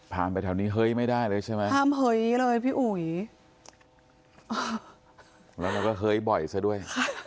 ไปแถวนี้เฮ้ยไม่ได้เลยใช่ไหมถามเฮ้ยเลยพี่อุ๋ยแล้วเราก็เฮ้ยบ่อยซะด้วย